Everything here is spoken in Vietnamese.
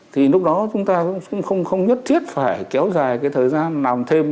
thì lúc đó chúng ta cũng không nhất thiết phải kéo dài cái thời gian làm thêm